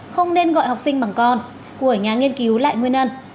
không nên gọi học sinh bằng con của nhà nghiên cứu lại nguyên ân